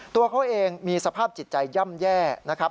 ตัวเขาเองมีสภาพจิตใจย่ำแย่นะครับ